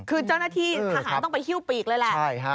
คือเจ้าหน้าที่ทหารต้องไปฮิ้วปีกเลยแหละ